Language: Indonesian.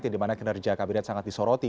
yang dimana kinerja kabinet sangat disoroti